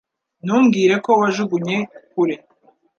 Ntumbwire ko wajugunye kure